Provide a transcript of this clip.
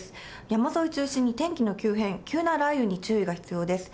山沿いを中心に天気の急変、急な雷雨に注意が必要です。